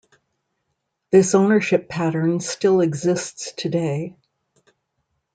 This ownership pattern still exists today.